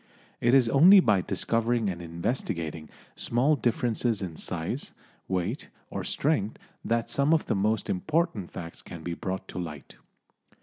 It is only by discovering and investigating small differences in size, weight or strength that some of the most important facts can be brought to light.